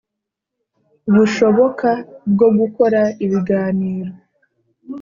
Bushoboka bwo gukora ibiganiro